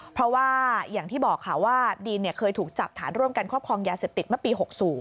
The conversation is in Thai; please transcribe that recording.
เพราะว่าอย่างที่บอกค่ะว่าดีนเคยถูกจับฐานร่วมกันครอบครองยาเสพติดเมื่อปี๖๐